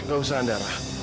gak usah andara